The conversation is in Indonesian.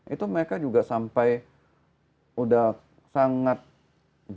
itu mereka juga sampai udah sangat